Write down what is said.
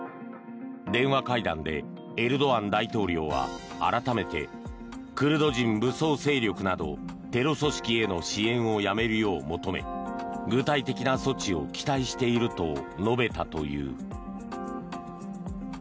電話会談でエルドアン大統領は、改めてクルド人武装勢力などテロ組織への支援をやめるよう求め具体的な措置を期待していると述べたという。